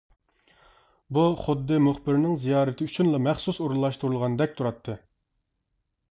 بۇ خۇددى مۇخبىرنىڭ زىيارىتى ئۈچۈنلا مەخسۇس ئورۇنلاشتۇرۇلغاندەك تۇراتتى.